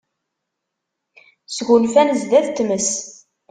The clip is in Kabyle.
Sgunfan sdat tmes.